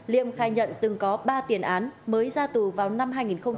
liêm khai nhận từng có ba tiền án mới ra tù vào năm hai nghìn một mươi